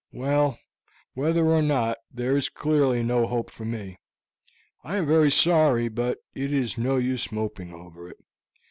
"Well, whether or not, there is clearly no hope for me. I am very sorry, but it is no use moping over it.